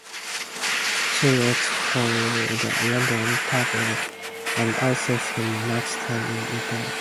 She wrote for the London "Tablet", and also spent much time in Italy.